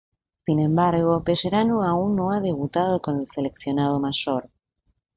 Sin embargo, Pellerano aún no ha debutado con el seleccionado mayor.